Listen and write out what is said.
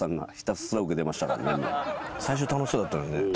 最初楽しそうだったのにね。